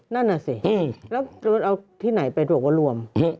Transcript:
นั่นน่ะสิแล้วโดนเอาที่ไหนไปตรวจว่ารวม